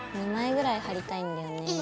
２枚ぐらい貼りたいんだよね。